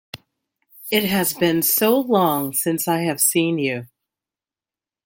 It has been so long since I have seen you!